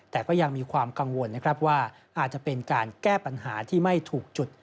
แต่ก็ยังมีความกังวลนะครับว่าอาจจะเป็นการแก้ปัญหาที่ไม่ถูกจุด